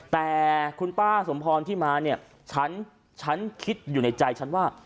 แต่คุณป้าสมพรที่มาเนี่ยฉันคิดอยู่ในใจฉันว่า